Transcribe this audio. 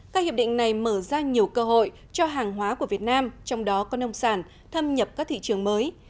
các hiệp định này mở ra nhiều cơ hội cho hàng hóa của việt nam trong đó có nông sản thâm nhập các thị trường mới